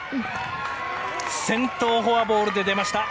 先頭、フォアボールで出ました。